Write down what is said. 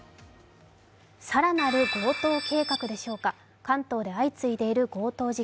さらなる強盗計画でしょうか関東で相次いでいる強盗事件。